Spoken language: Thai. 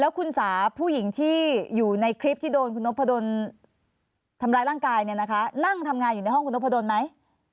คุณสาผู้หญิงที่อยู่ในคลิปที่โดนคุณนพดลทำร้ายร่างกายเนี่ยนะคะนั่งทำงานอยู่ในห้องคุณนพดลไหม